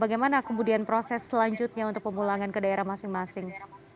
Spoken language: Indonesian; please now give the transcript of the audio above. bagaimana kemudian proses selanjutnya untuk pemulangan ke daerah masing masing